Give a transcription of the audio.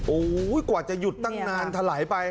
โอ้โหกว่าจะหยุดตั้งนานถลายไป